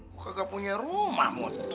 gue kagak punya rumah mut